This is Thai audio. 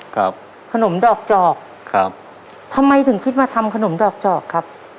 ครับขนมดอกจอกครับทำไมถึงคิดมาทำขนมดอกจอกครับ